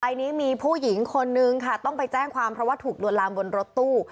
อันนี้มีผู้หญิงคนนึงค่ะต้องไปแจ้งความเพราะว่าถูกลวนลามบนรถตู้